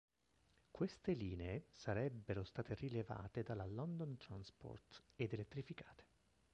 Queste linee sarebbero state rilevate dalla London Transport ed elettrificate.